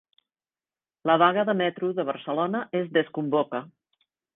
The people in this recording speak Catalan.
La vaga de Metro de Barcelona es desconvoca